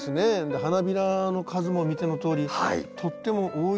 花びらの数も見てのとおりとっても多いですし。